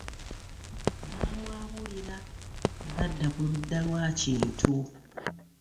Bamwabulira ne badda ku ludda lwa Kintu.